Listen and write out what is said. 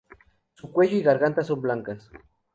Su cuello y garganta son blancas.